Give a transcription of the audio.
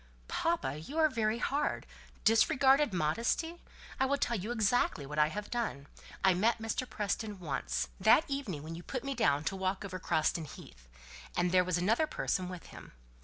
"Papa, you are very hard. Modesty disregarded! I will tell you exactly what I have done. I met Mr. Preston once, that evening when you put me down to walk over Croston Heath, and there was another person with him.